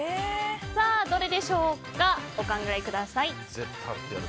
どれでしょうか、お考えください。